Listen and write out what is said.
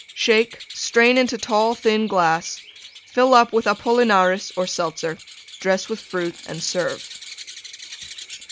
Shake; strain into tall, thin glass; fill up with Apollinaris or Seltzer; dress with Fruit and serve.